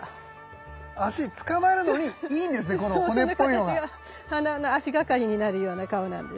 そうその形が足がかりになるような顔なんです。